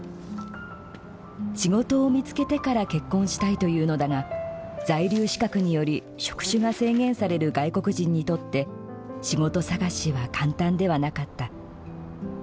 仕事を見つけてから結婚したいというのだが在留資格により職種が制限される外国人にとって仕事探しは簡単ではなかった。